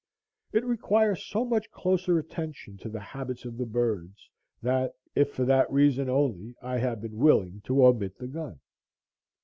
It requires so much closer attention to the habits of the birds, that, if for that reason only, I have been willing to omit the gun.